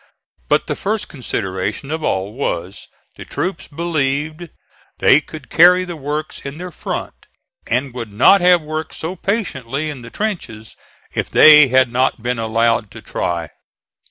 But the first consideration of all was the troops believed they could carry the works in their front, and would not have worked so patiently in the trenches if they had not been allowed to try.